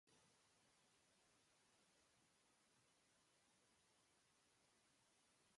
Zemědělství podléhá vrtochům klimatu.